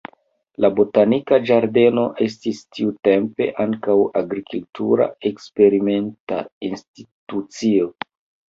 La botanika ĝardeno estis tiutempe ankaŭ agrikultura eksperimenta institucio.